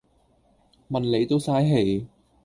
問你都嘥氣